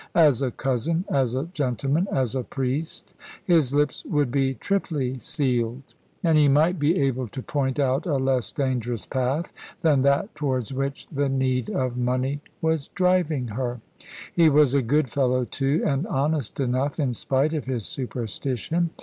As a cousin, as a gentleman, as a priest, his lips would be triply sealed. And he might be able to point out a less dangerous path than that towards which the need of money was driving her. He was a good fellow, too, and honest enough, in spite of his superstition.